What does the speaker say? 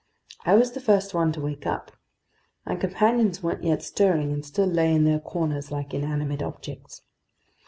I was the first one to wake up. My companions weren't yet stirring and still lay in their corners like inanimate objects.